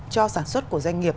cho sản xuất của doanh nghiệp